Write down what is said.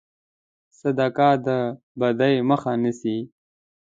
صدقه د بدي مخه نیسي.